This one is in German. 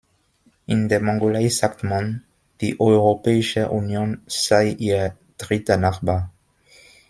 In der Mongolei sagt man, die Europäische Union sei ihr dritter Nachbar.